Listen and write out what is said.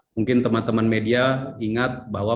mungkin teman teman media ingat bahwa